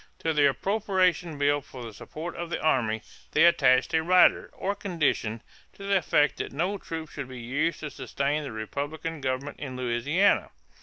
To the appropriation bill for the support of the army they attached a "rider," or condition, to the effect that no troops should be used to sustain the Republican government in Louisiana.